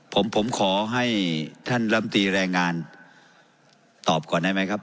ผมผมขอให้ท่านลำตีแรงงานตอบก่อนได้ไหมครับ